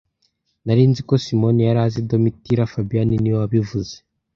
Nari nzi ko Simoni yari azi Domitira fabien niwe wabivuze